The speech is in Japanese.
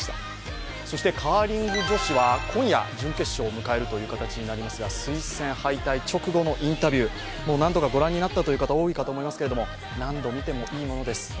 カーリング女子は今夜、準決勝を迎える形になりますがスイス戦敗退直後のインタビュー、何度かご覧になったという方多いかと思いますけれども、何度見てもいいものです。